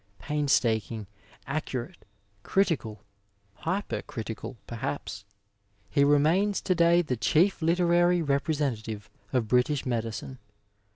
'' Painstaking, accurateg critical, hypercritical perhaps, he remains to day the chief literary representative of British medicine.